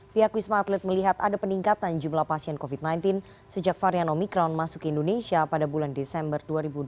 pihak wisma atlet melihat ada peningkatan jumlah pasien covid sembilan belas sejak varian omikron masuk ke indonesia pada bulan desember dua ribu dua puluh